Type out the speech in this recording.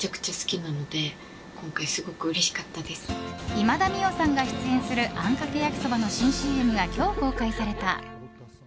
今田美桜さんが出演するあんかけ焼きそばの新ＣＭが今日公開された。